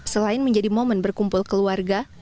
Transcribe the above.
selain menjadi momen berkumpul keluarga